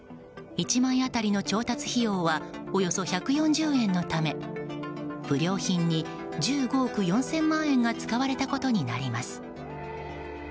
１枚当たりの調達費用はおよそ１４０円のため不良品に１５億４０００万円が使われたことになります。